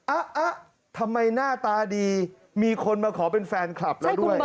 ทำไมหน้าตาดีมีคนมาขอเป็นแฟนคลับแล้วด้วย